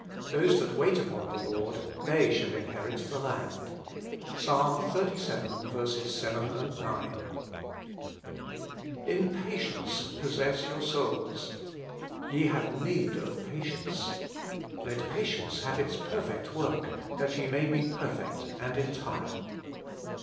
Those that wait upon th* Lord, thej shall inherit the land.' — Ps. xxxvii 7, 9 (b.v,), * TN patience possess your souls.' * Ye have ^ need of patience.' * Let patience have its perfect work, that ye may be perfect and entire.'